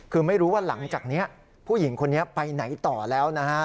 คือไม่รู้ว่าหลังจากนี้ผู้หญิงคนนี้ไปไหนต่อแล้วนะฮะ